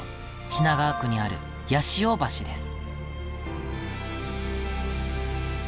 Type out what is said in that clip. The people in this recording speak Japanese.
品川区にある八潮橋です。